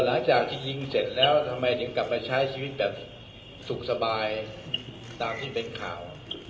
หลังจากที่ยิงเสร็จแล้วทำไมถึงกลับมาใช้ชีวิตแบบสุขสบายตามที่เป็นข่าว